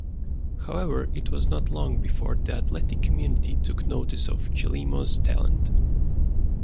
However, it was not long before the athletic community took notice of Chelimo's talent.